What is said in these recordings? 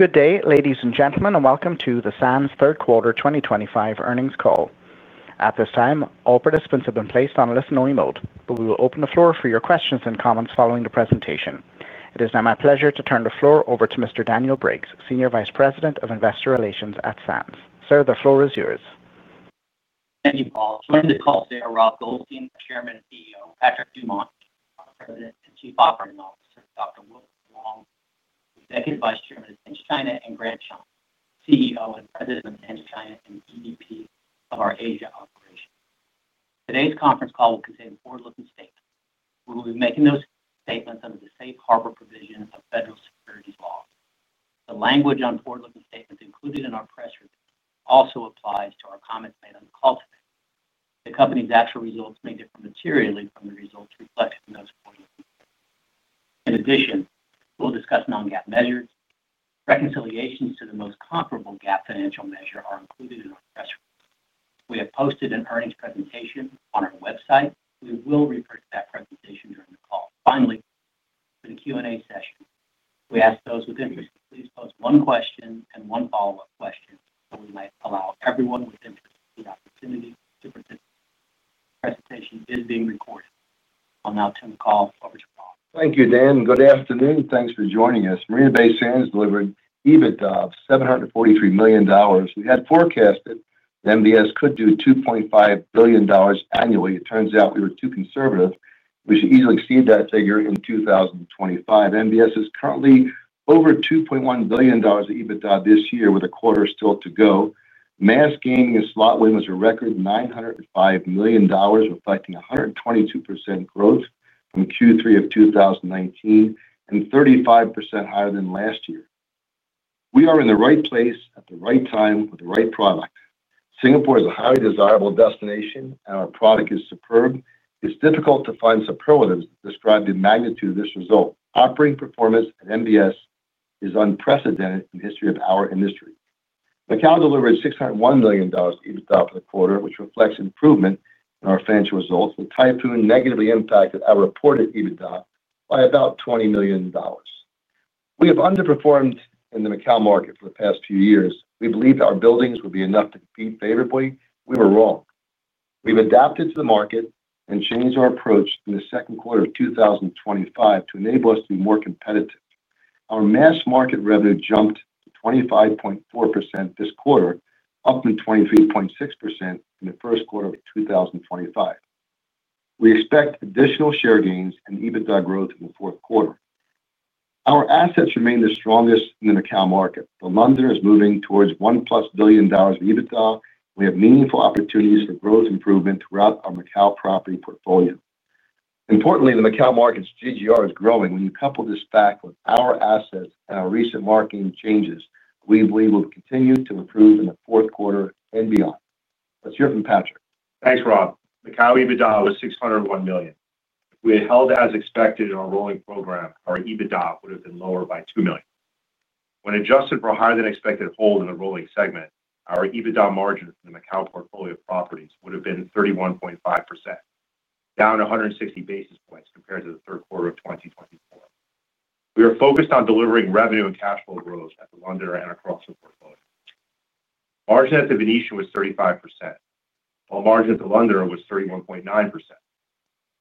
Good day, ladies and gentlemen, and welcome to the Sands Third Quarter 2025 earnings call. At this time, all participants have been placed on listen-only mode. We will open the floor for your questions and comments following the presentation. It is now my pleasure to turn the floor over to Mr. Daniel Briggs, Senior Vice President of Investor Relations at Las Vegas Sands. Sir, the floor is yours. Thank you, Paul. Joining the call today are Rob Goldstein, the Chairman and CEO, Patrick Dumont, the President and Chief Operating Officer, Dr. Wilfred Wong, Executive Vice Chairman of Sands China, and Grant Chum, CEO and President of Sands China and Executive Vice President of our Asia operations. Today's conference call will contain forward-looking statements. We will be making those statements under the Safe Harbor Provision of Federal Securities Law. The language on forward-looking statements included in our press release also applies to our comments made on the call today. The company's actual results may differ materially from the results reflected in those forward-looking statements. In addition, we will discuss non-GAAP measures. Reconciliations to the most comparable GAAP financial measure are included in our press release. We have posted an earnings presentation on our website. We will refer to that presentation during the call. Finally, for the Q&A session, we ask those with interest to please post one question and one follow-up question, so we may allow everyone with interest the opportunity to participate. The presentation is being recorded. I'll now turn the call over to Rob. Thank you, Dan. Good afternoon. Thanks for joining us. Marina Bay Sands delivered EBITDA of $743 million. We had forecast that MBS could do $2.5 billion annually. It turns out we were too conservative. We should easily exceed that figure in 2025. MBS is currently over $2.1 billion of EBITDA this year, with a quarter still to go. Mass gain in slot win was a record $905 million, reflecting 122% growth from Q3 of 2019 and 35% higher than last year. We are in the right place at the right time with the right product. Singapore is a highly desirable destination, and our product is superb. It's difficult to find superlatives to describe the magnitude of this result. Operating performance at MBS is unprecedented in the history of our industry. Macao delivered $601 million of EBITDA for the quarter, which reflects improvement in our financial results, but Typhoon negatively impacted our reported EBITDA by about $20 million. We have underperformed in the Macao market for the past few years. We believed that our buildings would be enough to compete favorably. We were wrong. We've adapted to the market and changed our approach in the second quarter of 2025 to enable us to be more competitive. Our mass market revenue jumped 25.4% this quarter, up from 23.6% in the first quarter of 2025. We expect additional share gains and EBITDA growth in the fourth quarter. Our assets remain the strongest in the Macao market. The Londoner is moving towards one plus billion dollars of EBITDA. We have meaningful opportunities for growth improvement throughout our Macao property portfolio. Importantly, the Macao market's GGR is growing. When you couple this fact with our assets and our recent marketing changes, we believe we'll continue to improve in the fourth quarter and beyond. Let's hear from Patrick. Thanks, Rob. Macao EBITDA was $601 million. If we had held as expected in our rolling program, our EBITDA would have been lower by $2 million. When adjusted for a higher than expected hold in the rolling segment, our EBITDA margin for the Macao portfolio properties would have been 31.5%, down 160 basis points compared to the third quarter of 2024. We are focused on delivering revenue and cash flow growth at The Londoner and across the portfolio. Margin at The Venetian was 35%, while margin at The Londoner was 31.9%.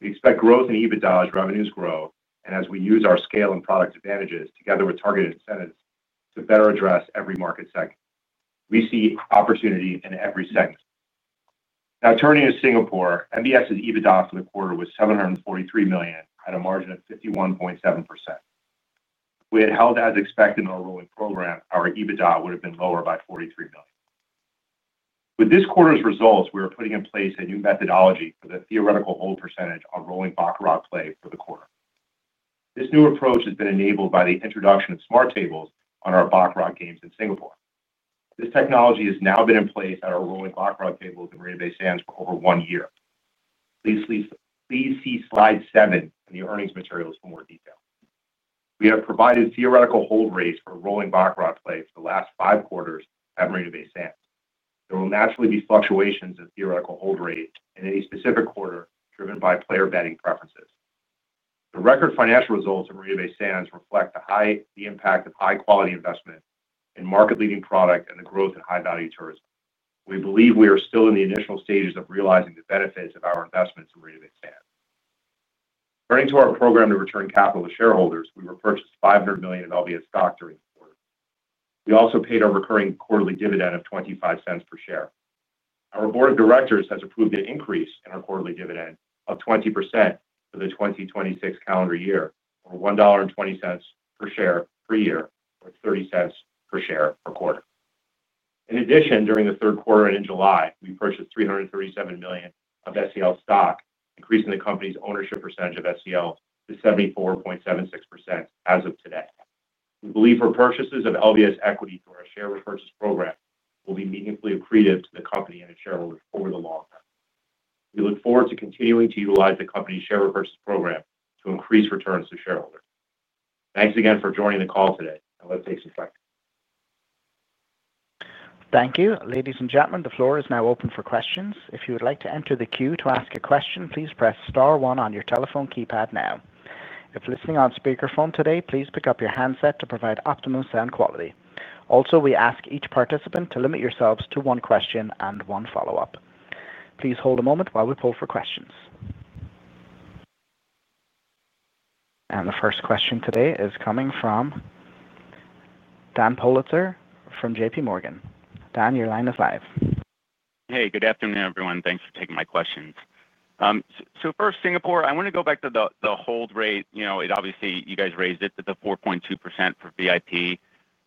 We expect growth in EBITDA as revenues grow and as we use our scale and product advantages together with targeted incentives to better address every market segment. We see opportunity in every segment. Now, turning to Singapore, Marina Bay Sands' EBITDA for the quarter was $743 million at a margin of 51.7%. If we had held as expected in our rolling program, our EBITDA would have been lower by $43 million. With this quarter's results, we are putting in place a new methodology for the theoretical hold percentage on rolling Baccarat play for the quarter. This new approach has been enabled by the introduction of smart table technology on our Baccarat games in Singapore. This technology has now been in place at our rolling Baccarat tables in Marina Bay Sands for over one year. Please see slide seven in the earnings materials for more detail. We have provided theoretical hold rates for rolling Baccarat play for the last five quarters at Marina Bay Sands. There will naturally be fluctuations in theoretical hold rates in any specific quarter driven by player betting preferences. The record financial results of Marina Bay Sands reflect the high impact of high-quality investment in market-leading product and the growth in high-value tourism. We believe we are still in the initial stages of realizing the benefits of our investments in Marina Bay Sands. Turning to our program to return capital to shareholders, we repurchased $500 million in LVS stock during the quarter. We also paid our recurring quarterly dividend of $0.25 per share. Our Board of Directors has approved an increase in our quarterly dividend of 20% for the 2026 calendar year, or $1.20 per share per year, or $0.30 per share per quarter. In addition, during the third quarter and in July, we purchased $337 million of SCL stock, increasing the company's ownership percentage of SCL to 74.76% as of today. We believe our purchases of LVS equity through our share repurchase program will be meaningfully accretive to the company and its shareholders over the long term. We look forward to continuing to utilize the company's share repurchase program to increase returns to shareholders. Thanks again for joining the call today, and let's take some questions. Thank you, ladies and gentlemen. The floor is now open for questions. If you would like to enter the queue to ask a question, please press star one on your telephone keypad now. If listening on speakerphone today, please pick up your handset to provide optimal sound quality. Also, we ask each participant to limit yourselves to one question and one follow-up. Please hold a moment while we pull for questions. The first question today is coming from Daniel Politzer from JPMorgan Chase. Daniel, your line is live. Hey, good afternoon, everyone. Thanks for taking my questions. First, Singapore, I want to go back to the hold rate. You know, obviously you guys raised it to 4.2% for VIP.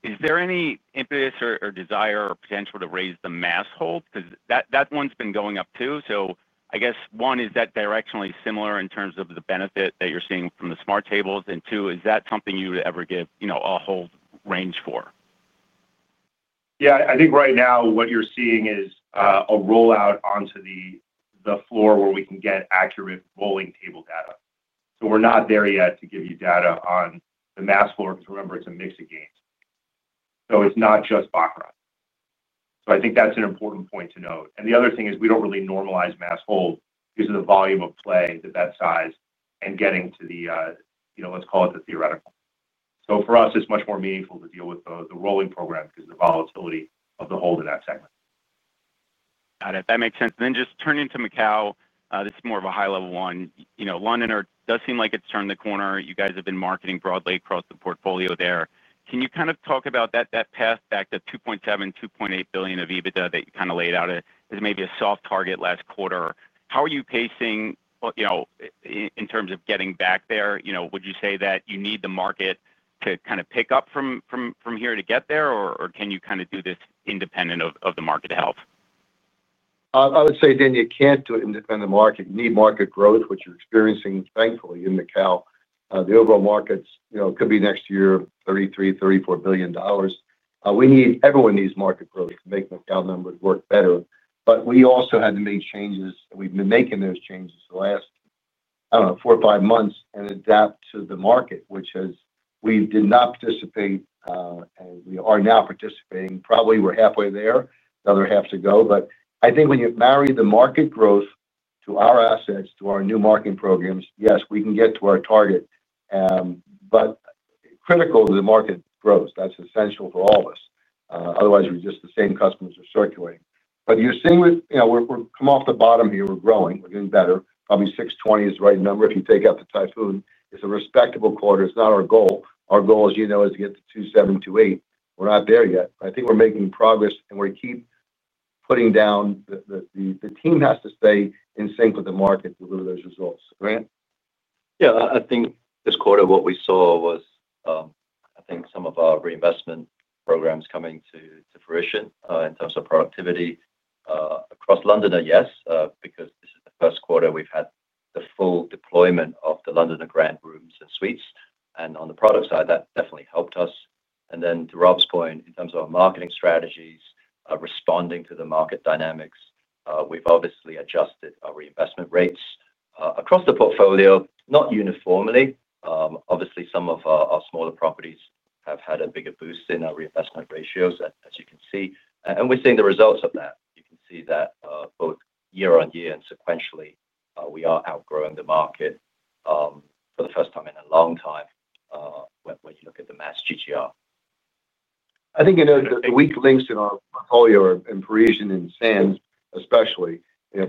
Is there any impetus or desire or potential to raise the mass hold? That one's been going up too. I guess, one, is that directionally similar in terms of the benefit that you're seeing from the smart table technology? Two, is that something you would ever give, you know, a hold range for? Yeah, I think right now what you're seeing is a rollout onto the floor where we can get accurate rolling table data. We're not there yet to give you data on the mass floor because remember, it's a mix of games. It's not just Baccarat. I think that's an important point to note. The other thing is we don't really normalize mass hold because of the volume of play, the bet size, and getting to the, you know, let's call it the theoretical. For us, it's much more meaningful to deal with the rolling program because of the volatility of the hold in that segment. Got it. That makes sense. Turning to Macao, this is more of a high-level one. You know, The Londoner does seem like it's turned the corner. You guys have been marketing broadly across the portfolio there. Can you kind of talk about that path back to $2.7, $2.8 billion of EBITDA that you kind of laid out as maybe a soft target last quarter? How are you pacing in terms of getting back there? Would you say that you need the market to pick up from here to get there, or can you do this independent of the market health? I would say, Dan, you can't do it independent of the market. You need market growth, which you're experiencing, thankfully, in Macao. The overall markets, you know, it could be next year, $33 billion, $34 billion. We need, everyone needs market growth to make Macao numbers work better. We also had to make changes, and we've been making those changes for the last, I don't know, four or five months and adapt to the market, which has, we did not participate, and we are now participating. Probably we're halfway there, another half to go. I think when you marry the market growth to our assets, to our new marketing programs, yes, we can get to our target. It's critical to the market growth. That's essential for all of us. Otherwise, we're just the same customers we're circulating. You're seeing with, you know, we've come off the bottom here. We're growing. We're getting better. Probably 620 is the right number if you take out the typhoon. It's a respectable quarter. It's not our goal. Our goal, as you know, is to get to 2728. We're not there yet. I think we're making progress, and we're going to keep putting down the, the team has to stay in sync with the market to deliver those results. Right. Yeah, I think this quarter what we saw was some of our reinvestment programs coming to fruition in terms of productivity across The Londoner, yes, because this is the first quarter we've had the full deployment of The Londoner grant rooms and suites. On the product side, that definitely helped us. To Rob's point, in terms of our marketing strategies, responding to the market dynamics, we've obviously adjusted our reinvestment rates across the portfolio, not uniformly. Obviously, some of our smaller properties have had a bigger boost in our reinvestment ratios, as you can see. We're seeing the results of that. You can see that, both year on year and sequentially, we are outgrowing the market for the first time in a long time when you look at the mass GGR. I think the weak links in our portfolio are in Parisian and Sands, especially.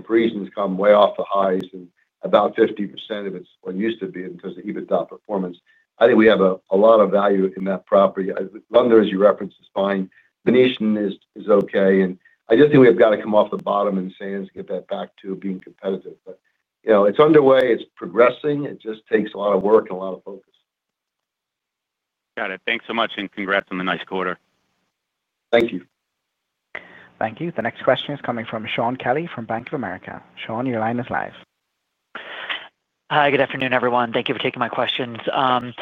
Parisian has come way off the highs and about 50% of it's what it used to be because of EBITDA performance. I think we have a lot of value in that property. London, as you referenced, is fine. Venetian is okay. I just think we've got to come off the bottom in Sands and get that back to being competitive. It's underway. It's progressing. It just takes a lot of work and a lot of focus. Got it. Thanks so much, and congrats on the nice quarter. Thank you. Thank you. The next question is coming from Shaun Kelley from Bank of America. Shaun, your line is live. Hi, good afternoon, everyone. Thank you for taking my questions. To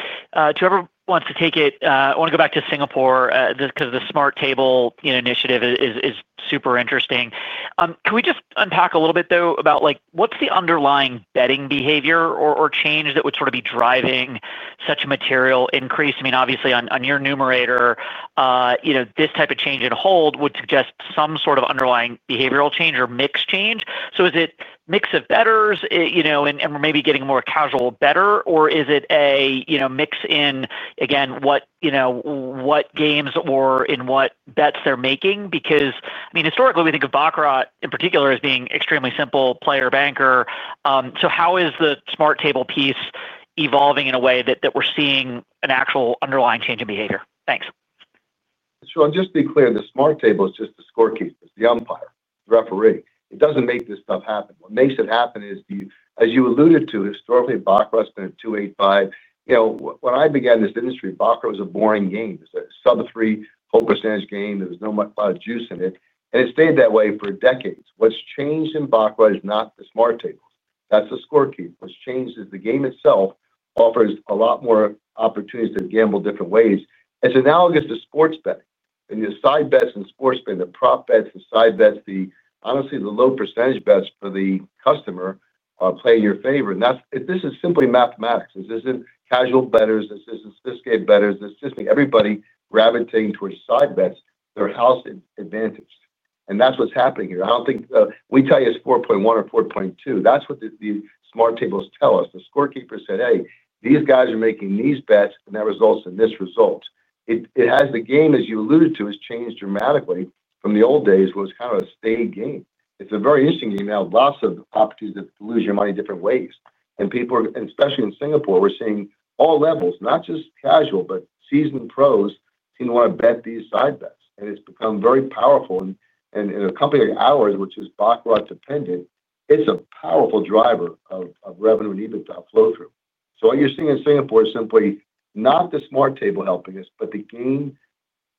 everyone who wants to take it, I want to go back to Singapore because the smart table initiative is super interesting. Can we just unpack a little bit, though, about what's the underlying betting behavior or change that would sort of be driving such a material increase? I mean, obviously, on your numerator, you know, this type of change in hold would suggest some sort of underlying behavioral change or mix change. Is it a mix of betters, you know, and maybe getting a more casual better, or is it a, you know, mix in, again, what, you know, what games or in what bets they're making? I mean, historically, we think of Baccarat in particular as being extremely simple player banker. How is the smart table piece evolving in a way that we're seeing an actual underlying change in behavior? Thanks. Sure. Just to be clear, the smart table is just the scorekeeper, the umpire, the referee. It doesn't make this stuff happen. What makes it happen is, as you alluded to, historically, Baccarat's been at 2.85%. You know, when I began this industry, Baccarat was a boring game. It was a sub-3% hold percentage game. There was not much juice in it. It stayed that way for decades. What's changed in Baccarat is not the smart tables. That's the scorekeeper. What's changed is the game itself offers a lot more opportunities to gamble different ways. It's analogous to sports betting. When you have side bets and sports betting, the prop bets and side bets, honestly, the low percentage bets for the customer are playing in your favor. This is simply mathematics. This isn't casual bettors. This isn't syscape bettors. This is just everybody gravitating towards side bets for their house advantage. That's what's happening here. I don't think we tell you it's 4.1% or 4.2%. That's what these smart tables tell us. The scorekeepers said, "Hey, these guys are making these bets, and that results in this result." The game, as you alluded to, has changed dramatically from the old days where it was kind of a steady game. It's a very interesting game now. Lots of opportunities to lose your money different ways. People, especially in Singapore, we're seeing all levels, not just casual, but seasoned pros seem to want to bet these side bets. It's become very powerful. In a company like ours, which is Baccarat dependent, it's a powerful driver of revenue and EBITDA flow-through. What you're seeing in Singapore is simply not the smart table helping us, but the game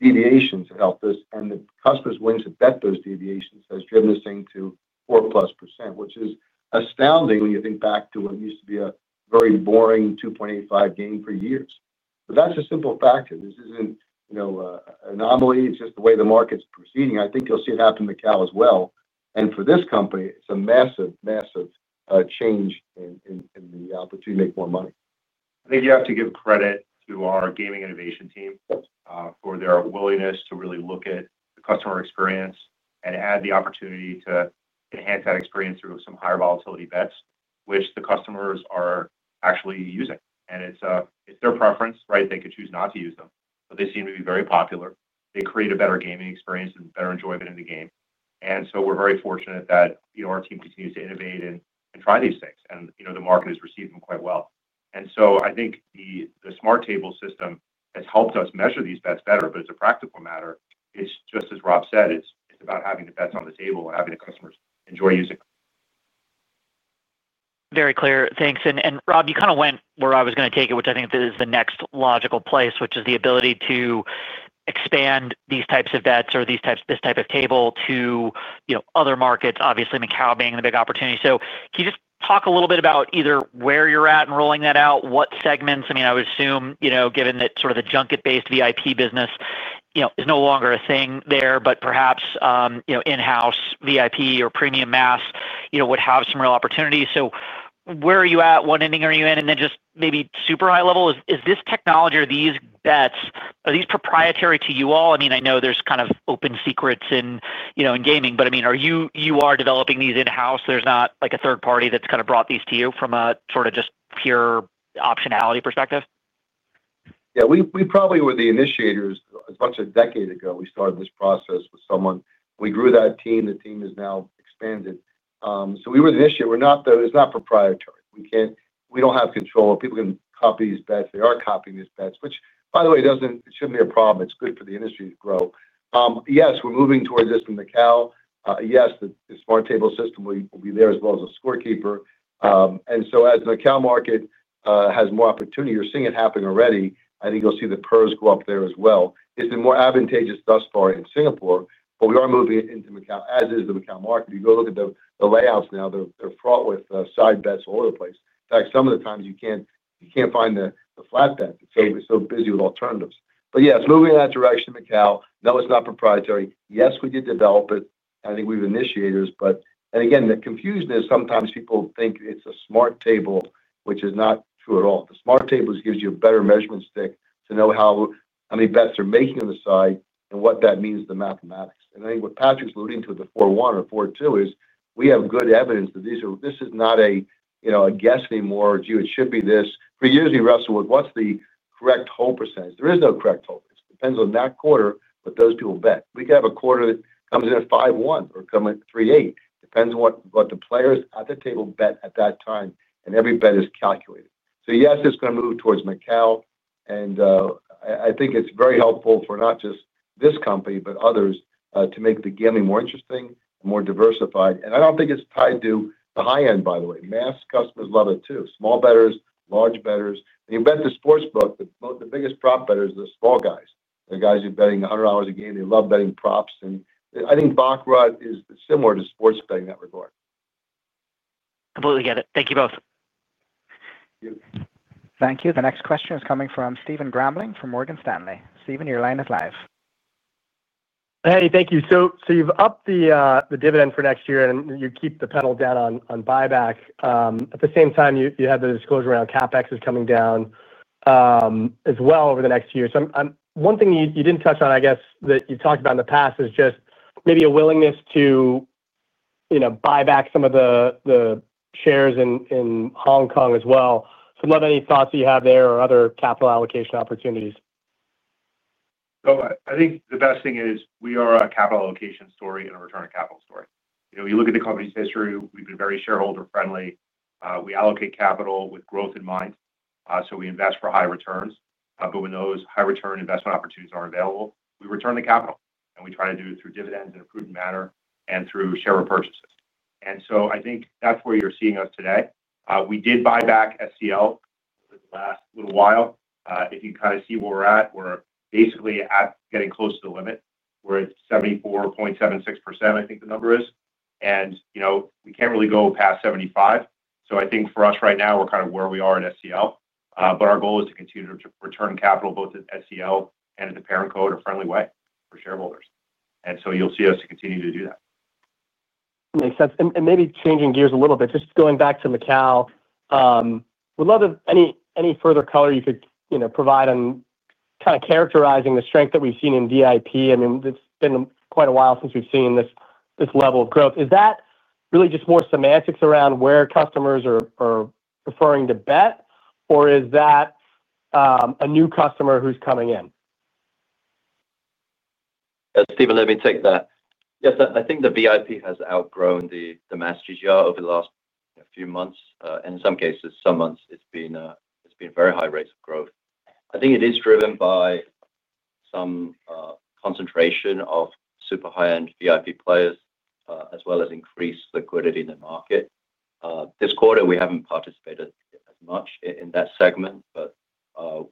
deviations that help us and the customers willing to bet those deviations has driven this thing to 4% plus, which is astounding when you think back to what used to be a very boring 2.85% game for years. That's a simple factor. This isn't an anomaly. It's just the way the market's proceeding. I think you'll see it happen in Macao as well. For this company, it's a massive, massive change in the opportunity to make more money. I think you have to give credit to our gaming innovation team for their willingness to really look at the customer experience and add the opportunity to enhance that experience through some higher volatility bets, which the customers are actually using. It's their preference, right? They could choose not to use them, but they seem to be very popular. They create a better gaming experience and better enjoyment in the game. We are very fortunate that our team continues to innovate and try these things. The market has received them quite well. I think the smart table technology system has helped us measure these bets better, but as a practical matter, it's just as Rob Goldstein said, it's about having the bets on the table and having the customers enjoy using them. Very clear. Thanks. Rob, you kind of went where I was going to take it, which I think is the next logical place, which is the ability to expand these types of bets or this type of table to, you know, other markets, obviously Macao being the big opportunity. Can you just talk a little bit about either where you're at in rolling that out, what segments? I would assume, given that sort of the junket-based VIP business is no longer a thing there, but perhaps in-house VIP or premium mass would have some real opportunities. Where are you at? What inning are you in? Just maybe super high level, is this technology or these bets proprietary to you all? I know there's kind of open secrets in gaming, but are you developing these in-house? There's not like a third party that's kind of brought these to you from a sort of just pure optionality perspective? Yeah, we probably were the initiators. As much as a decade ago, we started this process with someone. We grew that team. The team has now expanded. We were the initiator. It's not proprietary. We can't, we don't have control of people who can copy these bets. They are copying these bets, which, by the way, it shouldn't be a problem. It's good for the industry to grow. Yes, we're moving towards this in Macao. Yes, the smart table technology will be there as well as a scorekeeper. As the Macao market has more opportunity, you're seeing it happen already. I think you'll see the perks go up there as well. It's been more advantageous thus far in Singapore, but we are moving it into Macao, as is the Macao market. If you go look at the layouts now, they're fraught with side bets all over the place. In fact, some of the times you can't find the flat bet. It's so busy with alternatives. Yes, moving in that direction in Macao. No, it's not proprietary. Yes, we did develop it. I think we've initiated it. The confusion is sometimes people think it's a smart table, which is not true at all. The smart table technology gives you a better measurement stick to know how many bets they're making on the side and what that means to the mathematics. I think what Patrick's alluding to with the 4-1 or 4-2 is we have good evidence that this is not a, you know, a guess anymore or, "Gee, it should be this." For years, we wrestled with what's the correct hold percentage. There is no correct hold. It depends on that quarter, what those people bet. We could have a quarter that comes in at 5-1 or come in at 3-8. It depends on what the players at the table bet at that time, and every bet is calculated. Yes, it's going to move towards Macao, and I think it's very helpful for not just this company, but others to make the gaming more interesting and more diversified. I don't think it's tied to the high end, by the way. Mass customers love it too. Small betters, large betters. When you bet the sports book, the biggest prop betters are the small guys. They're guys who are betting $100 a game. They love betting props. I think Baccarat is similar to sports betting in that regard. Completely get it. Thank you both. Thank you. Thank you. The next question is coming from Stephen Grambling from Morgan Stanley. Stephen, your line is live. Thank you. You've upped the dividend for next year, and you keep the pedal down on buyback. At the same time, you have the disclosure around CapEx is coming down as well over the next year. One thing you didn't touch on, I guess, that you talked about in the past is just maybe a willingness to buy back some of the shares in Hong Kong as well. I'd love any thoughts that you have there or other capital allocation opportunities. Oh, I think the best thing is we are a capital allocation story and a return to capital story. You know, you look at the company's history. We've been very shareholder-friendly. We allocate capital with growth in mind. We invest for high returns. When those high-return investment opportunities aren't available, we return the capital, and we try to do it through dividends in an approved manner and through share repurchases. I think that's where you're seeing us today. We did buy back SCL over the last little while. If you can kind of see where we're at, we're basically at getting close to the limit. We're at 74.76%, I think the number is. You know, we can't really go past 75%. I think for us right now, we're kind of where we are at SCL. Our goal is to continue to return capital both at SCL and at the parent company in a friendly way for shareholders. You'll see us continue to do that. Makes sense. Maybe changing gears a little bit, just going back to Macao, we'd love any further color you could provide on kind of characterizing the strength that we've seen in VIP. I mean, it's been quite a while since we've seen this level of growth. Is that really just more semantics around where customers are preferring to bet, or is that a new customer who's coming in? Stephen, let me take that. Yes, I think the VIP has outgrown the mass GGR over the last few months. In some cases, some months, it's been very high rates of growth. I think it is driven by some concentration of super high-end VIP players, as well as increased liquidity in the market. This quarter, we haven't participated as much in that segment, but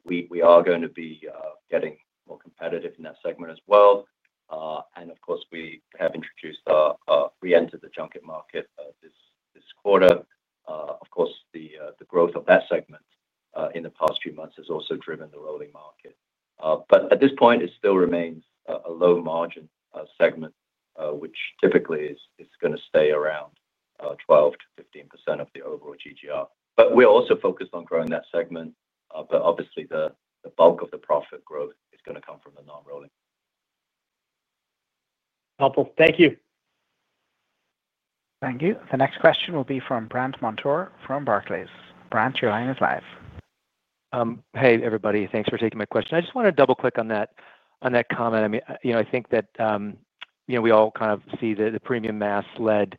we are going to be getting more competitive in that segment as well. Of course, we have introduced our re-enter the junket market this quarter. The growth of that segment in the past few months has also driven the rolling market. At this point, it still remains a low margin segment, which typically is going to stay around 12% to 15% of the overall GGR. We're also focused on growing that segment. Obviously, the bulk of the profit growth is going to come from the non-rolling. Helpful. Thank you. Thank you. The next question will be from Brandt Montour from Barclays. Brandt, your line is live. Hey, everybody. Thanks for taking my question. I just want to double-click on that comment. I think that we all kind of see the premium mass led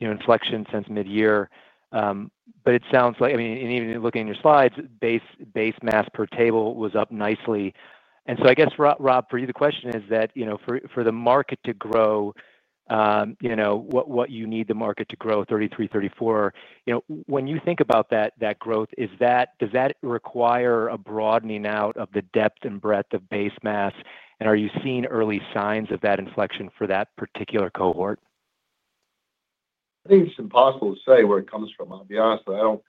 inflection since mid-year. It sounds like, and even looking at your slides, base mass per table was up nicely. I guess, Rob, for you, the question is that, you know, for the market to grow, you know, what you need the market to grow, 33%, 34%, you know, when you think about that growth, does that require a broadening out of the depth and breadth of base mass? Are you seeing early signs of that inflection for that particular cohort? I think it's impossible to say where it comes from. I'll be honest with you.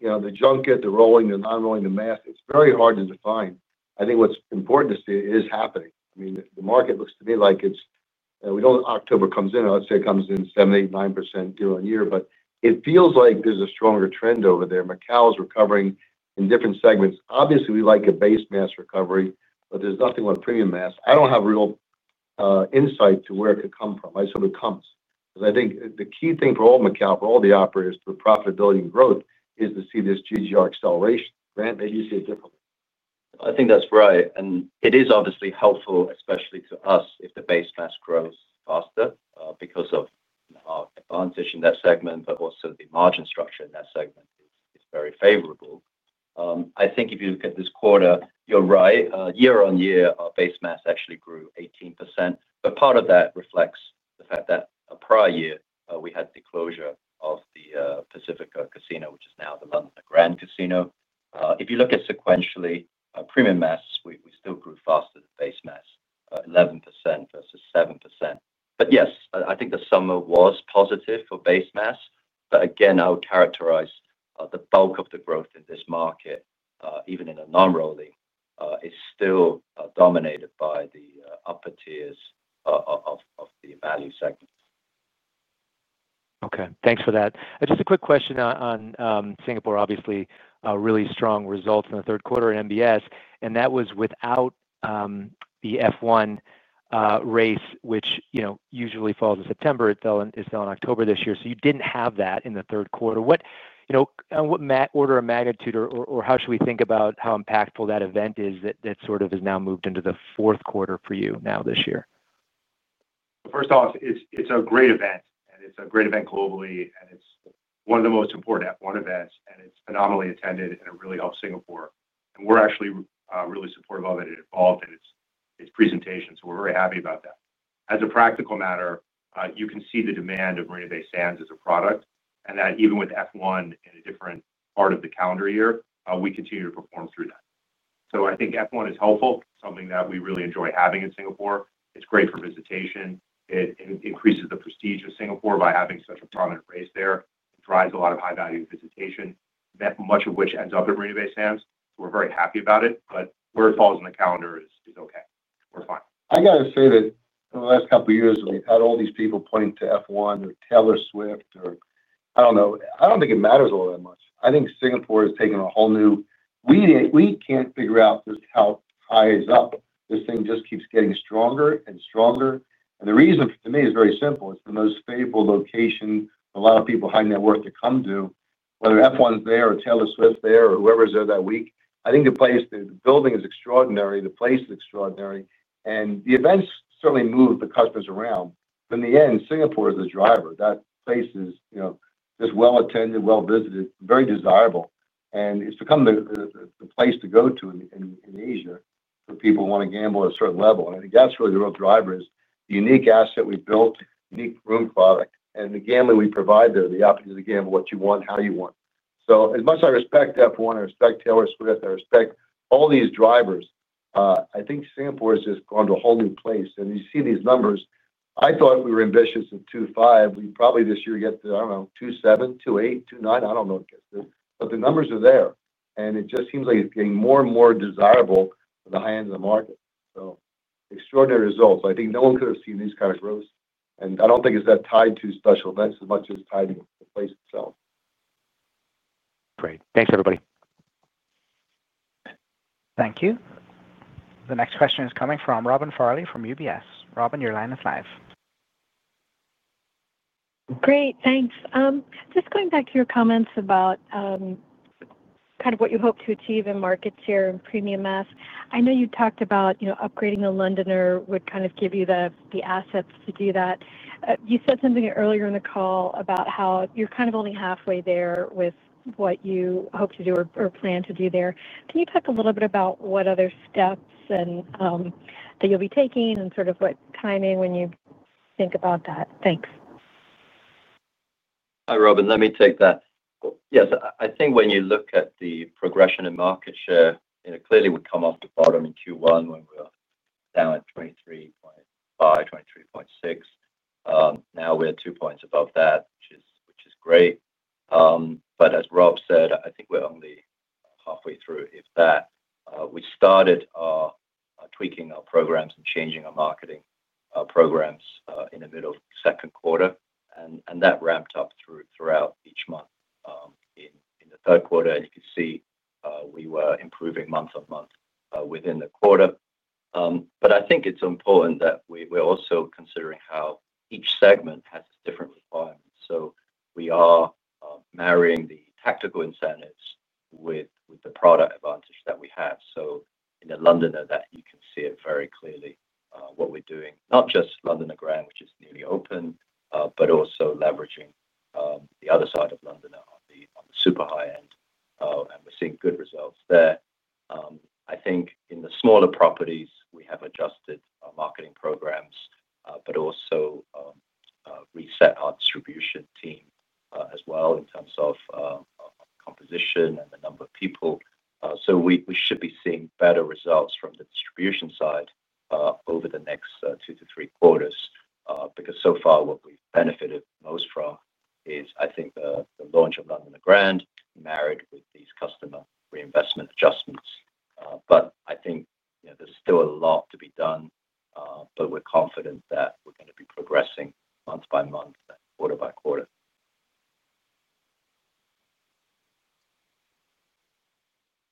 You know, the junket, the rolling, the non-rolling, the mass, it's very hard to define. I think what's important to see is happening. I mean, the market looks to me like it's, we don't know if October comes in. I would say it comes in 7%, 8%, 9% year on year, but it feels like there's a stronger trend over there. Macao is recovering in different segments. Obviously, we like a base mass recovery, but there's nothing on premium mass. I don't have real insight to where it could come from. I just hope it comes. I think the key thing for all Macao, for all the operators, for profitability and growth is to see this GGR acceleration. Grant, maybe you see it differently. I think that's right. It is obviously helpful, especially to us if the base mass grows faster because of our advantage in that segment, but also the margin structure in that segment is very favorable. I think if you look at this quarter, you're right. Year on year, our base mass actually grew 18%. Part of that reflects the fact that a prior year, we had the closure of the Pacifico Casino, which is now The Londoner Grand Casino. If you look at sequentially, premium mass, we still grew faster than base mass, 11% versus 7%. Yes, I think the summer was positive for base mass. Again, I would characterize the bulk of the growth in this market, even in the non-rolling, is still dominated by the upper tiers of the value segment. Okay, thanks for that. Just a quick question on Singapore. Obviously, really strong results in the third quarter in Marina Bay Sands. That was without the F1 race, which usually falls in September. It fell in October this year. You didn't have that in the third quarter. What order of magnitude or how should we think about how impactful that event is that sort of has now moved into the fourth quarter for you this year? First off, it's a great event. It's a great event globally, and it's one of the most important F1 events. It's phenomenally attended, and it really helps Singapore. We're actually really supportive of it and involved in its presentation, so we're very happy about that. As a practical matter, you can see the demand of Marina Bay Sands as a product, and that even with F1 in a different part of the calendar year, we continue to perform through that. I think F1 is helpful, something that we really enjoy having in Singapore. It's great for visitation, and it increases the prestige of Singapore by having such a prominent race there. It drives a lot of high-value visitation, much of which ends up at Marina Bay Sands. We're very happy about it. Where it falls in the calendar is okay. We're fine. I got to say that in the last couple of years, when we've had all these people point to F1 or Taylor Swift or I don't know, I don't think it matters all that much. I think Singapore has taken a whole new, we can't figure out just how high is up. This thing just keeps getting stronger and stronger. The reason to me is very simple. It's the most favorable location for a lot of people high net worth to come to. Whether F1's there or Taylor Swift's there or whoever's there that week, I think the place, the building is extraordinary. The place is extraordinary. The events certainly move the customers around. In the end, Singapore is the driver. That place is, you know, just well attended, well visited, very desirable. It's become the place to go to in Asia for people who want to gamble at a certain level. I think that's really the real driver is the unique asset we've built, unique room product, and the gambling we provide there, the opportunity to gamble what you want, how you want. As much as I respect F1, I respect Taylor Swift, I respect all these drivers, I think Singapore has just gone to a whole new place. You see these numbers. I thought we were ambitious at $2.5 billion. We probably this year get to, I don't know, $2.7 billion, $2.8 billion, $2.9 billion. I don't know what it gets to. The numbers are there. It just seems like it's getting more and more desirable for the high end of the market. Extraordinary results. I think no one could have seen these kinds of growths. I don't think it's that tied to special events as much as it's tied to the place itself. Great. Thanks, everybody. Thank you. The next question is coming from Robin Farley from UBS. Robin, your line is live. Great. Thanks. Just going back to your comments about kind of what you hope to achieve in market share and premium mass, I know you talked about upgrading The Londoner would kind of give you the assets to do that. You said something earlier in the call about how you're kind of only halfway there with what you hope to do or plan to do there. Can you talk a little bit about what other steps that you'll be taking and sort of what timing when you think about that? Thanks. Hi, Robin. Let me take that. Yes, I think when you look at the progression in market share, you know, clearly we come off the bottom in Q1 when we were down at 23.5%, 23.6%. Now we're two points above that, which is great. As Rob said, I think we're only halfway through, if that. We started tweaking our programs and changing our marketing programs in the middle of the second quarter. That ramped up throughout each month in the third quarter, and you can see we were improving month on month within the quarter. I think it's important that we're also considering how each segment has its different requirements. We are marrying the tactical incentives with the product advantage that we have. In The Londoner, you can see it very clearly, what we're doing, not just Londoner Grand, which is nearly open, but also leveraging the other side of The Londoner on the super high end. We're seeing good results there. I think in the smaller properties, we have adjusted our marketing programs, but also reset our distribution team as well in terms of our composition and the number of people. We should be seeing better results from the distribution side over the next two to three quarters, because so far what we've benefited most from is, I think, the launch of Londoner Grand married with these customer reinvestment adjustments. I think there's still a lot to be done, but we're confident that we're going to be progressing month by month, quarter by quarter.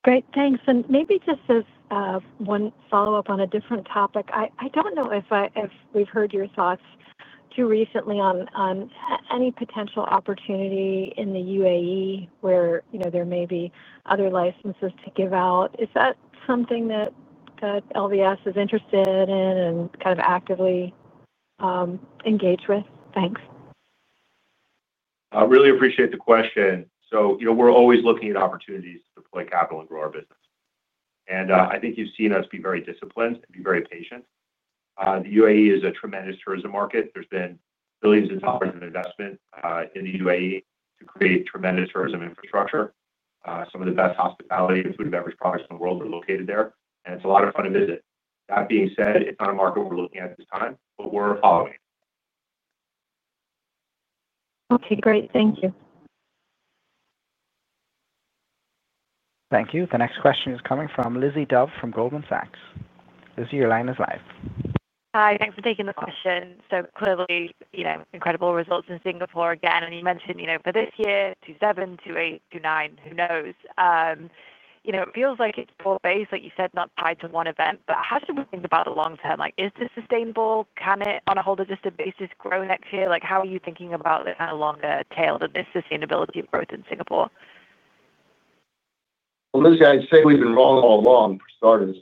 Great. Thanks. Maybe just as one follow-up on a different topic, I don't know if we've heard your thoughts too recently on any potential opportunity in the UAE where there may be other licenses to give out. Is that something that LVS is interested in and kind of actively engaged with? Thanks. I really appreciate the question. You know, we're always looking at opportunities to deploy capital and grow our business. I think you've seen us be very disciplined and be very patient. The UAE is a tremendous tourism market. There's been billions of dollars in investment in the UAE to create tremendous tourism infrastructure. Some of the best hospitality and food and beverage products in the world are located there. It's a lot of fun to visit. That being said, it's not a market we're looking at at this time, but we're following it. Okay. Great. Thank you. Thank you. The next question is coming from Lizzie Dove from Goldman Sachs. Lizzie, your line is live. Hi. Thanks for taking the question. Clearly, you know, incredible results in Singapore again. You mentioned, you know, for this year, 2027, 2028, 2029, who knows? It feels like it's broad-based, like you said, not tied to one event. How should we think about the long term? Is this sustainable? Can it, on a holistic basis, grow next year? How are you thinking about the kind of longer tail to this sustainability of growth in Singapore? Lizzie, I'd say we've been wrong all along, for starters.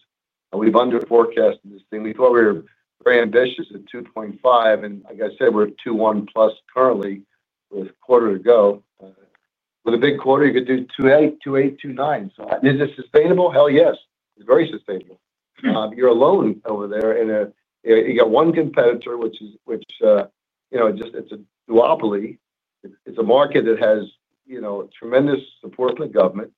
We've under-forecasted this thing. We thought we were very ambitious at $2.5 billion. Like I said, we're at $2.1 billion plus currently with a quarter to go. With a big quarter, you could do $2.8 billion, $2.8 billion, $2.9 billion. Is it sustainable? Hell yes. It's very sustainable. You're alone over there, and you've got one competitor, which is, you know, it's a duopoly. It's a market that has tremendous support from the government.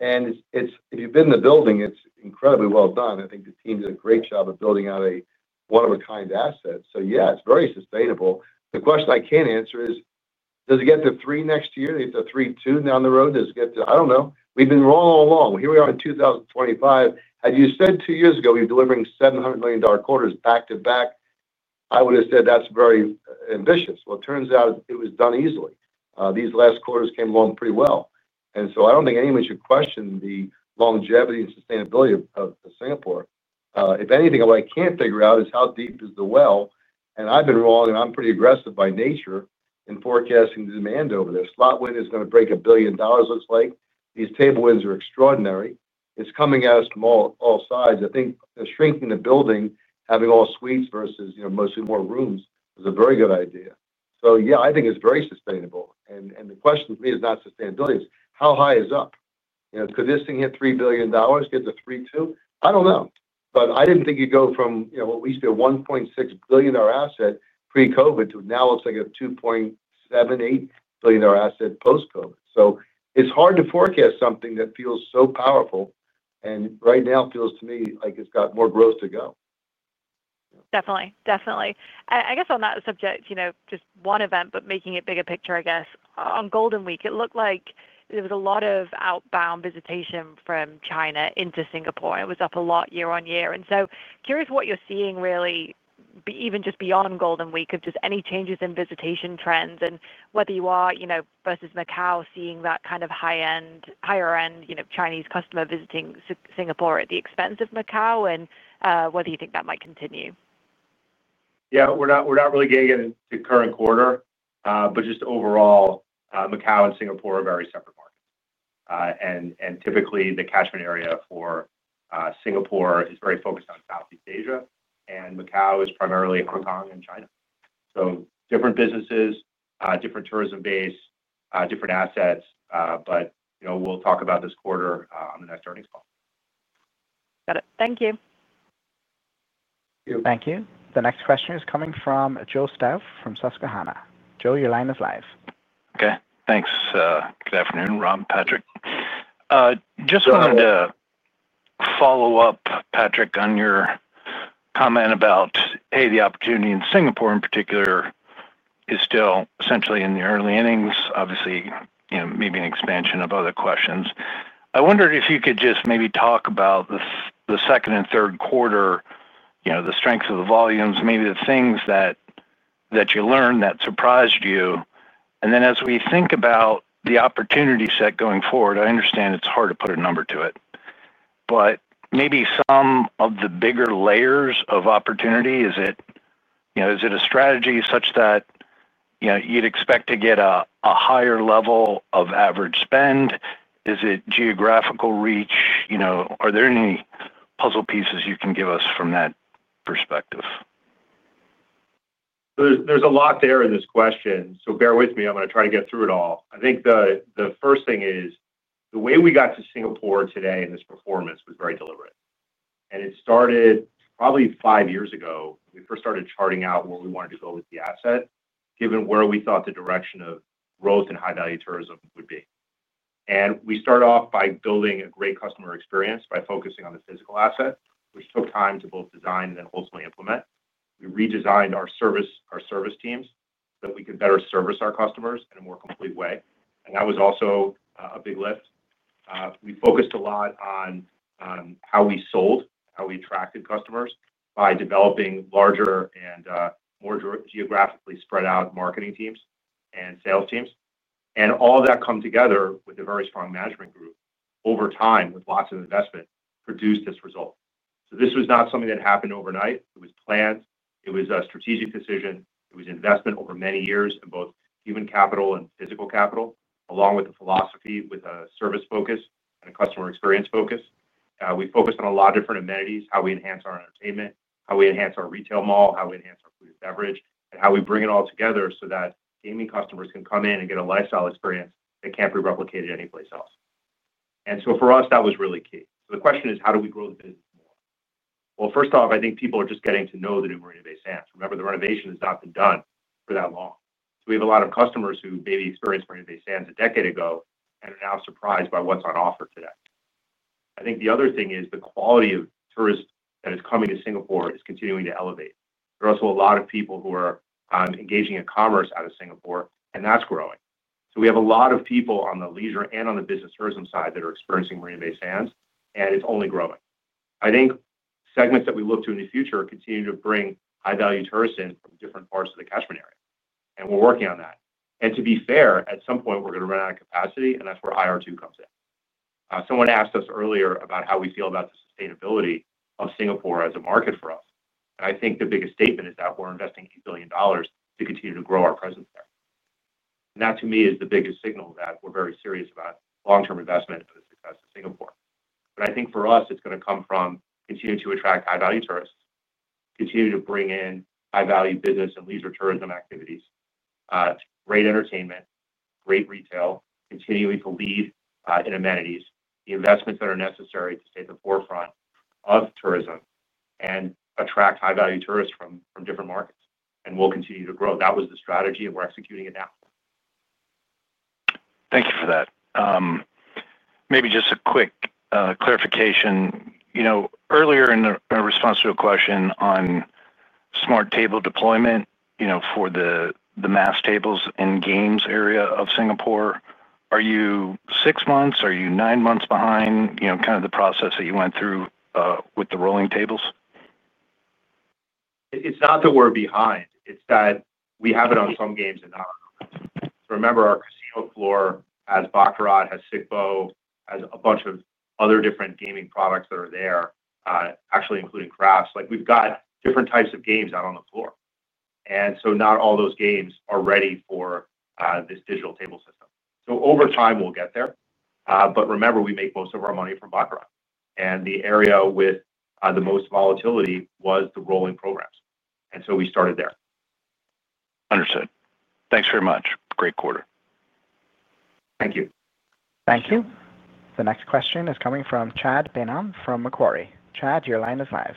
If you've been in the building, it's incredibly well done. I think the team did a great job of building out a one-of-a-kind asset. It's very sustainable. The question I can't answer is, does it get to $3 billion next year? If they're $3.2 billion down the road, does it get to, I don't know. We've been wrong all along. Here we are in 2025. Had you said two years ago, we were delivering $700 million quarters back to back, I would have said that's very ambitious. It turns out it was done easily. These last quarters came along pretty well. I don't think anyone should question the longevity and sustainability of Singapore. If anything, what I can't figure out is how deep is the well. I've been wrong and I'm pretty aggressive by nature in forecasting the demand over there. Slot win is going to break $1 billion, it looks like. These table wins are extraordinary. It's coming at us from all sides. I think shrinking the building, having all suites versus mostly more rooms is a very good idea. I think it's very sustainable. The question for me is not sustainability. It's how high is up. Could this thing hit $3 billion, get to $3.2 billion? I don't know. I didn't think you'd go from what we used to be a $1.6 billion asset pre-COVID to now it looks like a $2.78 billion asset post-COVID. It's hard to forecast something that feels so powerful and right now feels to me like it's got more growth to go. Definitely. I guess on that subject, just one event, but making it bigger picture, on Golden Week, it looked like there was a lot of outbound visitation from China into Singapore. It was up a lot year on year. Curious what you're seeing really, even just beyond Golden Week, of any changes in visitation trends and whether you are, versus Macao, seeing that kind of high-end, higher-end Chinese customer visiting Singapore at the expense of Macao and whether you think that might continue. Yeah, we're not really getting into the current quarter, but just overall, Macao and Singapore are very separate markets. Typically, the catchment area for Singapore is very focused on Southeast Asia, and Macao is primarily Hong Kong and China. Different businesses, different tourism base, different assets. You know, we'll talk about this quarter on the next earnings call. Got it. Thank you. Thank you. The next question is coming from Joe Stauff from Susquehanna. Joe, your line is live. Okay. Thanks. Good afternoon, Rob, Patrick. Just wanted to follow up, Patrick, on your comment about, hey, the opportunity in Singapore in particular is still essentially in the early innings. Obviously, you know, maybe an expansion of other questions. I wondered if you could just maybe talk about the second and third quarter, you know, the strength of the volumes, maybe the things that you learned that surprised you. As we think about the opportunity set going forward, I understand it's hard to put a number to it. Maybe some of the bigger layers of opportunity, is it, you know, is it a strategy such that you'd expect to get a higher level of average spend? Is it geographical reach? Are there any puzzle pieces you can give us from that perspective? There's a lot there in this question. Bear with me. I'm going to try to get through it all. I think the first thing is the way we got to Singapore today in this performance was very deliberate. It started probably five years ago when we first started charting out where we wanted to go with the asset, given where we thought the direction of growth and high-value tourism would be. We started off by building a great customer experience by focusing on the physical asset, which took time to both design and then ultimately implement. We redesigned our service teams so that we could better service our customers in a more complete way. That was also a big lift. We focused a lot on how we sold, how we attracted customers by developing larger and more geographically spread out marketing teams and sales teams. All of that came together with a very strong management group over time, with lots of investment, produced this result. This was not something that happened overnight. It was planned. It was a strategic decision. It was investment over many years in both human capital and physical capital, along with the philosophy with a service focus and a customer experience focus. We focused on a lot of different amenities, how we enhance our entertainment, how we enhance our retail mall, how we enhance our food and beverage, and how we bring it all together so that gaming customers can come in and get a lifestyle experience that can't be replicated anyplace else. For us, that was really key. The question is, how do we grow the business more? First off, I think people are just getting to know the new Marina Bay Sands. Remember, the renovation has not been done for that long. We have a lot of customers who maybe experienced Marina Bay Sands a decade ago and are now surprised by what's on offer today. I think the other thing is the quality of tourists that is coming to Singapore is continuing to elevate. There are also a lot of people who are engaging in commerce out of Singapore, and that's growing. We have a lot of people on the leisure and on the business tourism side that are experiencing Marina Bay Sands, and it's only growing. I think segments that we look to in the future continue to bring high-value tourists in from different parts of the catchment area. We're working on that. To be fair, at some point, we're going to run out of capacity, and that's where IR2 comes in. Someone asked us earlier about how we feel about the sustainability of Singapore as a market for us. I think the biggest statement is that we're investing $8 billion to continue to grow our presence there. That, to me, is the biggest signal that we're very serious about long-term investment and the success of Singapore. I think for us, it's going to come from continuing to attract high-value tourists, continuing to bring in high-value business and leisure tourism activities, great entertainment, great retail, continuing to lead in amenities, the investments that are necessary to stay at the forefront of tourism and attract high-value tourists from different markets. We'll continue to grow. That was the strategy, and we're executing it now. Thank you for that. Maybe just a quick clarification. Earlier, in a response to a question on smart table deployment for the mass tables and games area of Singapore, are you six months or nine months behind the process that you went through with the rolling tables? It's not that we're behind. It's that we have it on some games and not on others. Remember, our casino floor has Baccarat, has Sic Bo, has a bunch of other different gaming products that are there, actually including craps. We've got different types of games out on the floor, and not all those games are ready for this digital table system. Over time, we'll get there. Remember, we make most of our money from Baccarat, and the area with the most volatility was the rolling programs. We started there. Understood. Thanks very much. Great quarter. Thank you. Thank you. The next question is coming from Chad Beynon from Macquarie. Chad, your line is live.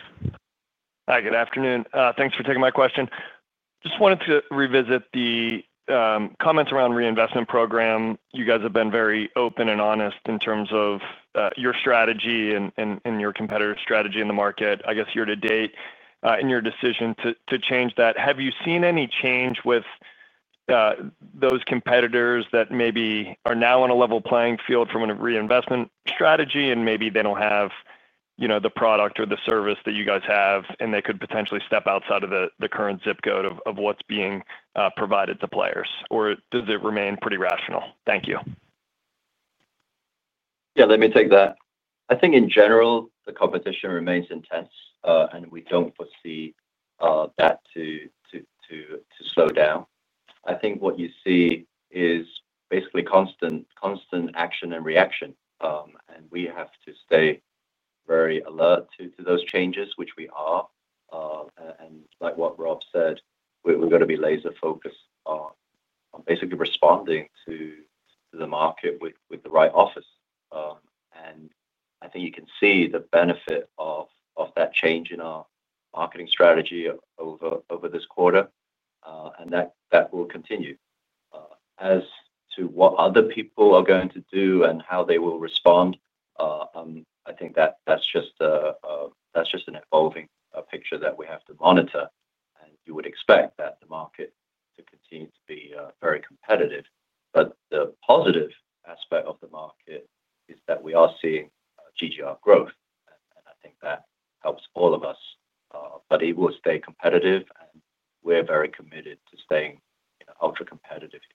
Hi, good afternoon. Thanks for taking my question. Just wanted to revisit the comments around the reinvestment program. You guys have been very open and honest in terms of your strategy and your competitive strategy in the market. I guess here to date, in your decision to change that, have you seen any change with those competitors that maybe are now on a level playing field from a reinvestment strategy, and maybe they don't have the product or the service that you guys have, and they could potentially step outside of the current zip code of what's being provided to players? Or does it remain pretty rational? Thank you. Let me take that. I think in general, the competition remains intense, and we don't foresee that to slow down. I think what you see is basically constant action and reaction. We have to stay very alert to those changes, which we are. Like what Rob said, we've got to be laser-focused on basically responding to the market with the right office. I think you can see the benefit of that change in our marketing strategy over this quarter, and that will continue. As to what other people are going to do and how they will respond, I think that's just an evolving picture that we have to monitor. You would expect the market to continue to be very competitive. The positive aspect of the market is that we are seeing GGR growth, and I think that helps all of us. It will stay competitive, and we're very committed to staying ultra competitive here.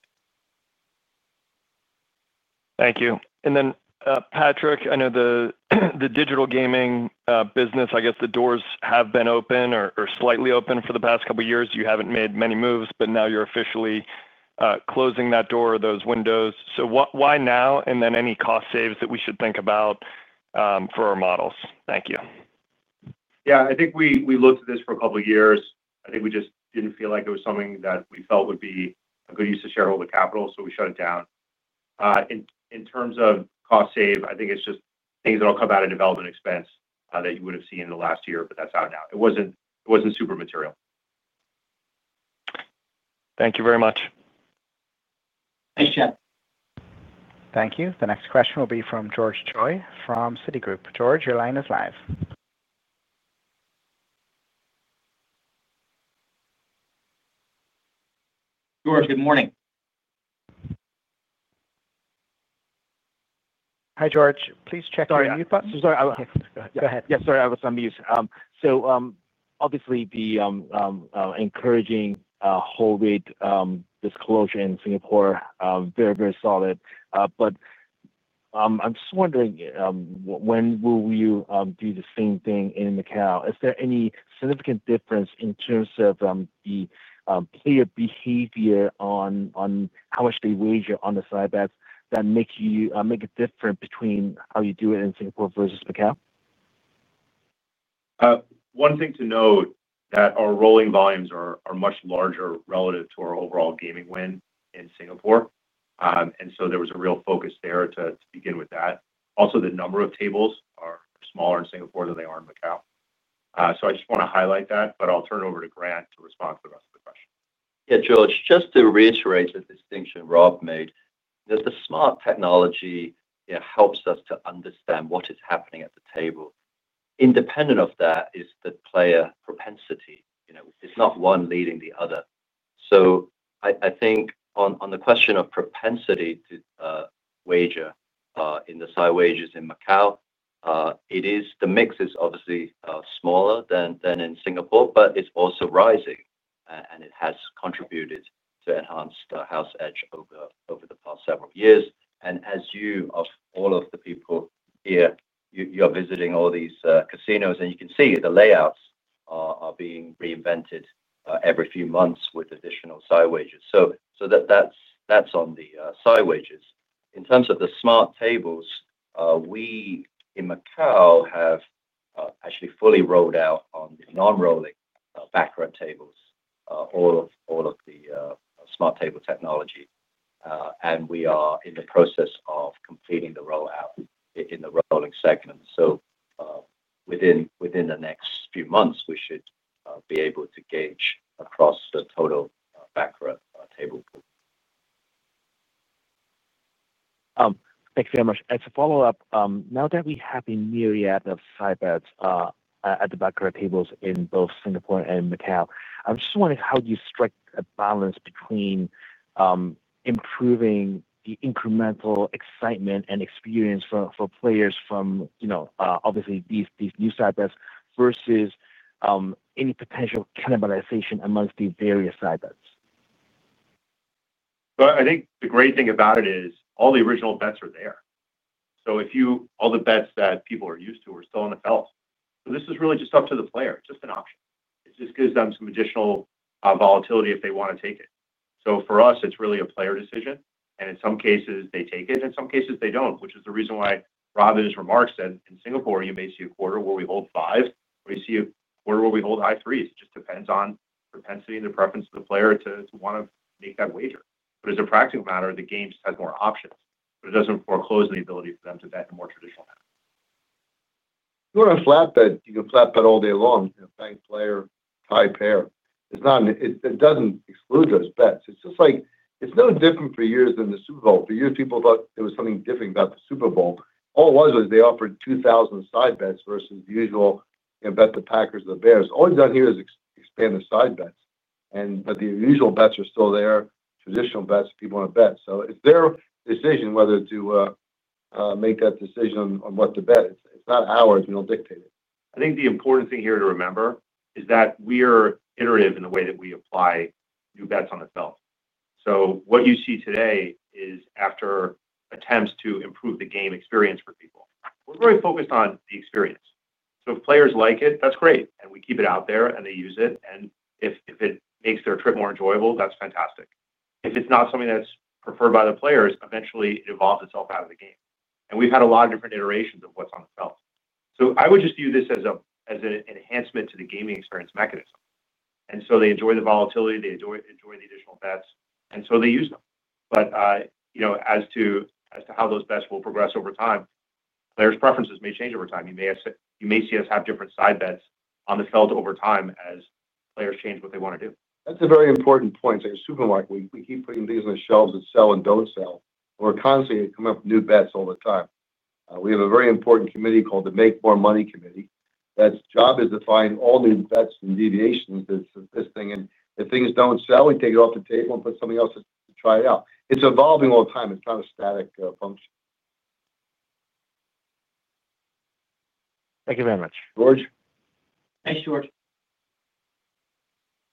Thank you. Patrick, I know the digital gaming business, I guess the doors have been open or slightly open for the past couple of years. You haven't made many moves, but now you're officially closing that door or those windows. Why now? Are there any cost saves that we should think about for our models? Thank you. Yeah, I think we looked at this for a couple of years. I think we just didn't feel like it was something that we felt would be a good use of shareholder capital, so we shut it down. In terms of cost save, I think it's just things that'll come out of development expense that you would have seen in the last year, but that's out now. It wasn't super material. Thank you very much. Thanks, Chad. Thank you. The next question will be from George Choi from Citigroup. George, your line is live. George, good morning. Hi, George. Please check your mute button. Sorry. Go ahead. Yes, sorry. I was on mute. Obviously, the encouraging COVID disclosure in Singapore is very, very solid. I'm just wondering, when will you do the same thing in Macao? Is there any significant difference in terms of the player behavior on how much they wager on the side bets that make you make a difference between how you do it in Singapore versus Macao? One thing to note is that our rolling volumes are much larger relative to our overall gaming win in Singapore, and there was a real focus there to begin with that. Also, the number of tables are smaller in Singapore than they are in Macao. I just want to highlight that, but I'll turn it over to Grant to respond to the rest of the question. Yeah, George, just to reiterate the distinction Rob made, that the smart table technology, you know, helps us to understand what is happening at the table. Independent of that is the player propensity. You know, it's not one leading the other. I think on the question of propensity to wager in the side bets in Macao, the mix is obviously smaller than in Singapore, but it's also rising. It has contributed to enhanced house edge over the past several years. As you, of all of the people here, you are visiting all these casinos, and you can see the layouts are being reinvented every few months with additional side bets. That's on the side bets. In terms of the smart tables, we in Macao have actually fully rolled out on the non-rolling background tables, all of the smart table technology. We are in the process of completing the rollout in the rolling segment. Within the next few months, we should be able to gauge across the total background table pool. Thank you very much. As a follow-up, now that we have a myriad of side bets at the background tables in both Singapore and Macao, I'm just wondering how do you strike a balance between improving the incremental excitement and experience for players from, you know, obviously these new side bets versus any potential cannibalization amongst the various side bets? I think the great thing about it is all the original bets are there. If you, all the bets that people are used to are still on the felt. This is really just up to the player, just an option. It just gives them some additional volatility if they want to take it. For us, it's really a player decision. In some cases, they take it. In some cases, they don't, which is the reason why Rob in his remarks said in Singapore, you may see a quarter where we hold 5, or you see a quarter where we hold high 3s. It just depends on propensity and the preference of the player to want to make that wager. As a practical matter, the game just has more options. It doesn't foreclose on the ability for them to bet in a more traditional manner. You want to flatbet, you can flatbet all day long. Bank player, tie pair. It doesn't exclude those bets. It's just like it's no different for years than the Super Bowl. For years, people thought there was something different about the Super Bowl. All it was was they offered 2,000 side bets versus the usual bet the Packers or the Bears. All they've done here is expand the side bets. The usual bets are still there, traditional bets if people want to bet. It's their decision whether to make that decision on what to bet. It's not ours. We don't dictate it. I think the important thing here to remember is that we are iterative in the way that we apply new bets on the felt. What you see today is after attempts to improve the game experience for people. We're very focused on the experience. If players like it, that's great, and we keep it out there and they use it. If it makes their trip more enjoyable, that's fantastic. If it's not something that's preferred by the players, eventually it evolves itself out of the game. We've had a lot of different iterations of what's on the felt. I would just view this as an enhancement to the gaming experience mechanism. They enjoy the volatility. They enjoy the additional bets, and they use them. As to how those bets will progress over time, players' preferences may change over time. You may see us have different side bets on the felt over time as players change what they want to do. That's a very important point. It's like a supermarket. We keep putting these on the shelves that sell and don't sell. We're constantly coming up with new bets all the time. We have a very important committee called the Make More Money Committee. The job is to find all new bets and deviations that this thing. If things don't sell, we take it off the table and put something else to try it out. It's evolving all the time. It's not a static function. Thank you very much. George. Thanks, George.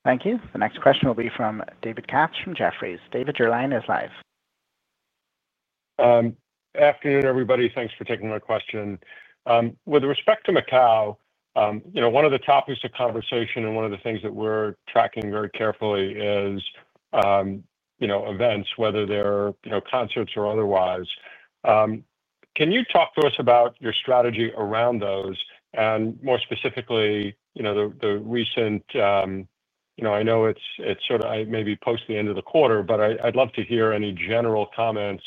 Thank you. The next question will be from David Katz from Jefferies. David, your line is live. Afternoon, everybody. Thanks for taking my question. With respect to Macao, one of the topics of conversation and one of the things that we're tracking very carefully is events, whether they're concerts or otherwise. Can you talk to us about your strategy around those? More specifically, I know it's sort of maybe post the end of the quarter, but I'd love to hear any general comments,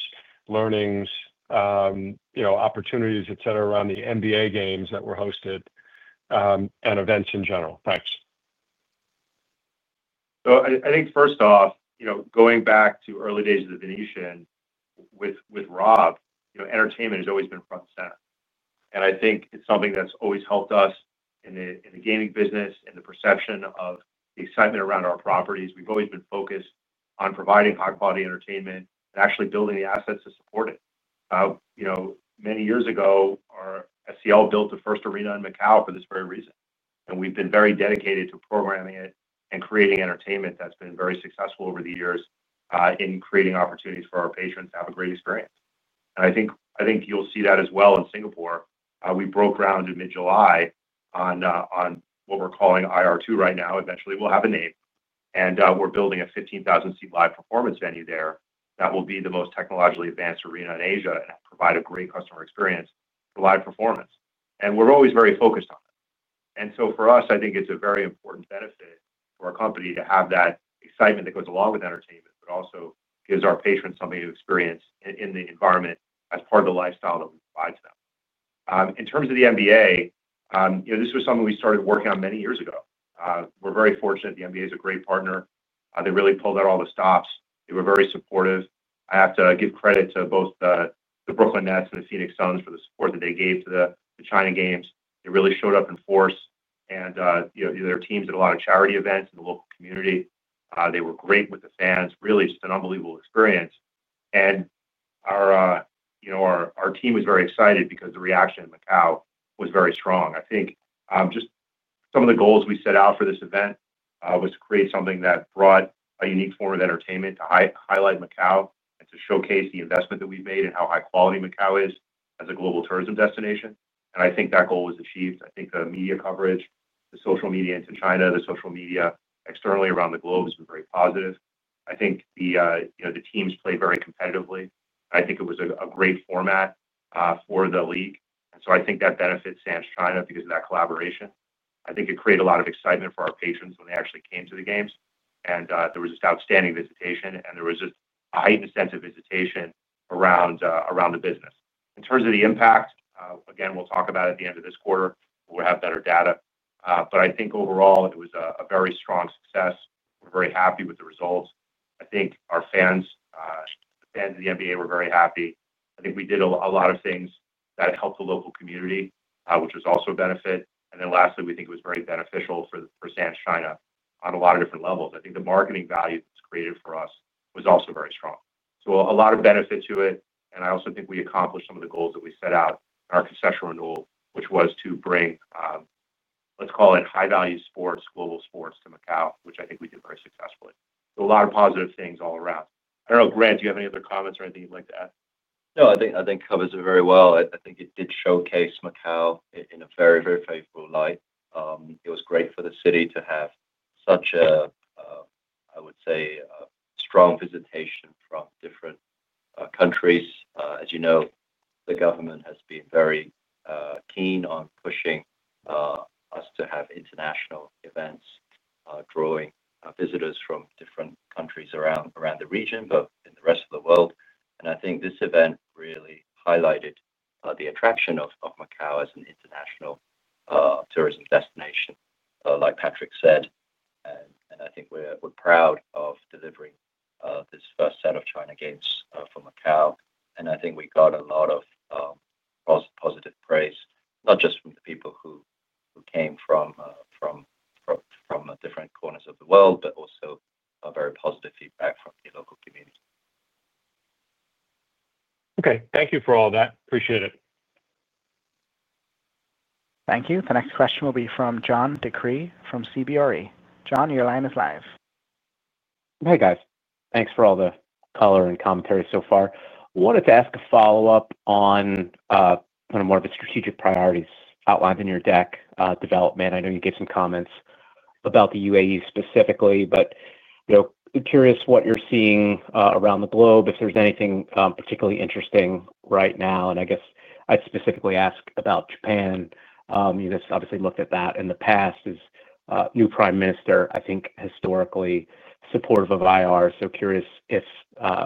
learnings, opportunities, etc., around the NBA China Games that were hosted and events in general. Thanks. I think first off, going back to early days of The Venetian with Rob, entertainment has always been front and center. I think it's something that's always helped us in the gaming business and the perception of the excitement around our properties. We've always been focused on providing high-quality entertainment and actually building the assets to support it. Many years ago, our Sands China Ltd. built the first arena in Macao for this very reason. We've been very dedicated to programming it and creating entertainment that's been very successful over the years in creating opportunities for our patrons to have a great experience. I think you'll see that as well in Singapore. We broke ground in mid-July on what we're calling IR2 right now. Eventually, we'll have a name. We're building a 15,000-seat live performance venue there that will be the most technologically advanced arena in Asia and provide a great customer experience for live performance. We're always very focused on it. For us, I think it's a very important benefit for our company to have that excitement that goes along with entertainment, but also gives our patrons something to experience in the environment as part of the lifestyle that we provide to them. In terms of the NBA, this was something we started working on many years ago. We're very fortunate. The NBA is a great partner. They really pulled out all the stops. They were very supportive. I have to give credit to both the Brooklyn Nets and the Phoenix Suns for the support that they gave to the NBA China Games. They really showed up in force. Their teams did a lot of charity events in the local community. They were great with the fans. Really, just an unbelievable experience. Our team was very excited because the reaction in Macao was very strong. I think just some of the goals we set out for this event was to create something that brought a unique form of entertainment to highlight Macao and to showcase the investment that we've made and how high-quality Macao is as a global tourism destination. I think that goal was achieved. The media coverage, the social media into China, the social media externally around the globe has been very positive. The teams played very competitively. I think it was a great format for the league. I think that benefits Sands China because of that collaboration. I think it created a lot of excitement for our patrons when they actually came to the games. There was just outstanding visitation, and there was just a heightened sense of visitation around the business. In terms of the impact, again, we'll talk about it at the end of this quarter. We'll have better data. I think overall, it was a very strong success. We're very happy with the results. I think our fans, the fans of the NBA, were very happy. I think we did a lot of things that helped the local community, which was also a benefit. Lastly, we think it was very beneficial for Sands China on a lot of different levels. I think the marketing value that was created for us was also very strong. A lot of benefit to it. I also think we accomplished some of the goals that we set out in our concession renewal, which was to bring, let's call it high-value sports, global sports to Macao, which I think we did very successfully. A lot of positive things all around. I don't know, Grant, do you have any other comments or anything you'd like to add? No, I think that covers it very well. I think it did showcase Macao in a very, very faithful light. It was great for the city to have such a, I would say, strong visitation from different countries. As you know, the government has been very keen on pushing us to have international events, drawing visitors from different countries around the region and in the rest of the world. I think this event really highlighted the attraction of Macao as an international tourism destination, like Patrick said. I think we're proud of delivering this first set of NBA China Games for Macao. I think we got a lot of positive praise, not just from the people who came from different corners of the world, but also very positive feedback from the local community. Okay, thank you for all of that. Appreciate it. Thank you. The next question will be from John DeCree from CBRE. John, your line is live. Hey, guys. Thanks for all the color and commentary so far. I wanted to ask a follow-up on kind of more of the strategic priorities outlined in your deck development. I know you gave some comments about the UAE specifically, but curious what you're seeing around the globe, if there's anything particularly interesting right now. I guess I'd specifically ask about Japan. You guys obviously looked at that in the past. The new Prime Minister, I think, historically supportive of IR. Curious if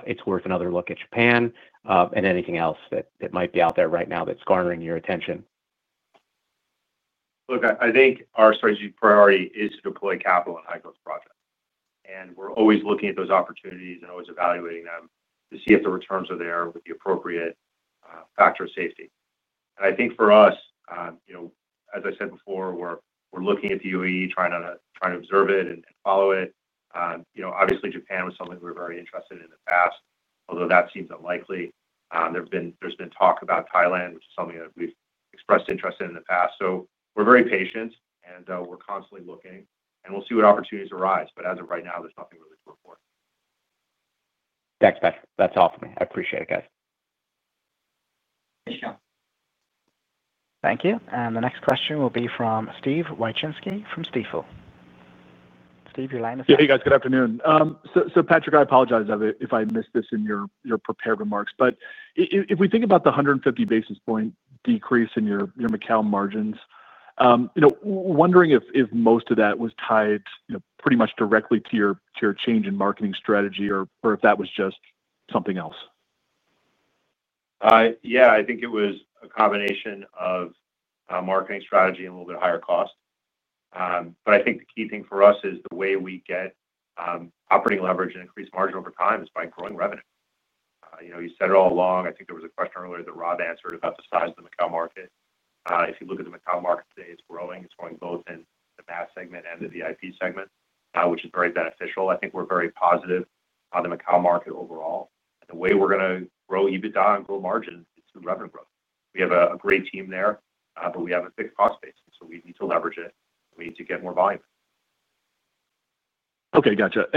it's worth another look at Japan and anything else that might be out there right now that's garnering your attention. Look, I think our strategic priority is to deploy capital in high growth projects. We're always looking at those opportunities and always evaluating them to see if the returns are there with the appropriate factor of safety. I think for us, you know, as I said before, we're looking at the UAE, trying to observe it and follow it. Obviously, Japan was something we were very interested in in the past, although that seems unlikely. There's been talk about Thailand, which is something that we've expressed interest in in the past. We're very patient, and we're constantly looking. We'll see what opportunities arise. As of right now, there's nothing really to report. Thanks, Patrick. That's all from me. I appreciate it, guys. Thank you, John. Thank you. The next question will be from Steven Wieczynski from Stifel. Steven, your line is live. Hey, guys. Good afternoon. Patrick, I apologize if I missed this in your prepared remarks. If we think about the 150 basis point decrease in your Macao margins, I'm wondering if most of that was tied pretty much directly to your change in marketing strategy or if that was just something else. Yeah, I think it was a combination of marketing strategy and a little bit higher cost. I think the key thing for us is the way we get operating leverage and increased margin over time is by growing revenue. You said it all along. I think there was a question earlier that Rob answered about the size of the Macao market. If you look at the Macao market today, it's growing. It's growing both in the mass segment and in the VIP segment, which is very beneficial. I think we're very positive on the Macao market overall. The way we're going to grow EBITDA and grow margin is through revenue growth. We have a great team there, but we have a fixed cost base, so we need to leverage it. We need to get more volume in. Okay. Gotcha.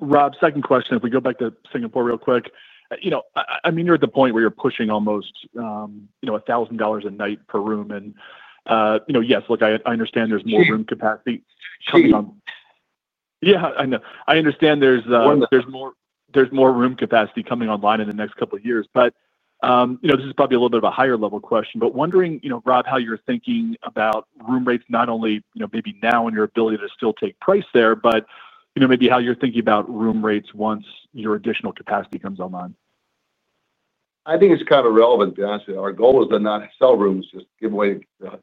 Rob, second question, if we go back to Singapore real quick, you're at the point where you're pushing almost $1,000 a night per room. I understand there's more room capacity coming online in the next couple of years. This is probably a little bit of a higher-level question, but wondering, Rob, how you're thinking about room rates, not only maybe now in your ability to still take price there, but maybe how you're thinking about room rates once your additional capacity comes online. I think it's kind of relevant, to be honest with you. Our goal is to not sell rooms, just give away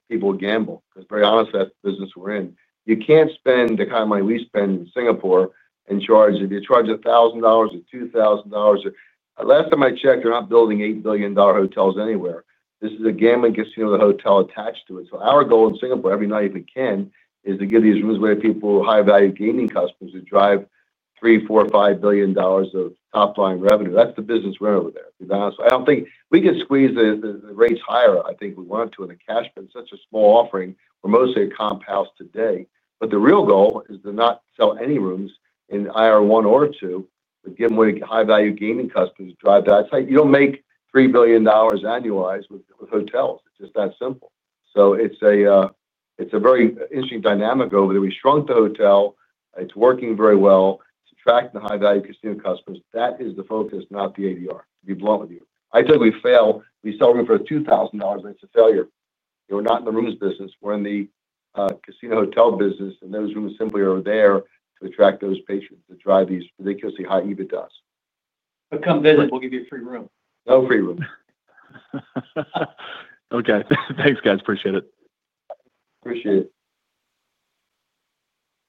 people to gamble, because very honestly, that's the business we're in. You can't spend the kind of money we spend in Singapore and charge, if you charge $1,000 or $2,000, or last time I checked, they're not building $8 billion hotels anywhere. This is a gambling casino with a hotel attached to it. Our goal in Singapore, every night if we can, is to give these rooms away to people, high-value gaming customers that drive $3 billion, $4 billion, $5 billion of top-line revenue. That's the business we're in over there, to be honest with you. I don't think we could squeeze the rates higher; I think we want to. The cash print is such a small offering. We're mostly a comp house today. The real goal is to not sell any rooms in IR1 or 2, but give them away to high-value gaming customers to drive that. You don't make $3 billion annualized with hotels. It's just that simple. It's a very interesting dynamic over there. We shrunk the hotel. It's working very well. It's attracting the high-value casino customers. That is the focus, not the ADR. To be blunt with you. I tell you we fail. We sell rooms for $2,000, and it's a failure. We're not in the rooms business. We're in the casino hotel business. Those rooms simply are there to attract those patrons to drive these ridiculously high EBITDA. Come visit. We'll give you a free room. No free room. Okay, thanks, guys. Appreciate it. Appreciate it.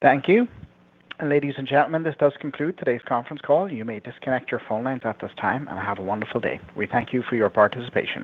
Thank you. Ladies and gentlemen, this does conclude today's conference call. You may disconnect your phone lines at this time and have a wonderful day. We thank you for your participation.